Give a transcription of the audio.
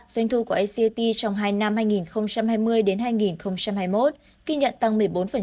doanh thu của acat trong hai năm hai nghìn hai mươi hai nghìn hai mươi một kinh nhận tăng một mươi bốn